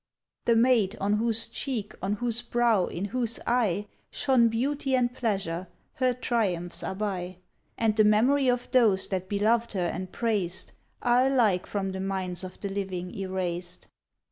The maid on whose cheek on whose brow, in whose eye, Shone beauty and pleasure, her triumphs are by; And the memory of those that beloved her and praised Are alike from the minds of the living erased.